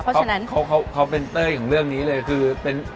เพราะฉะนั้นเขาเป็นเต้ยของเรื่องนี้เลยคือเป็น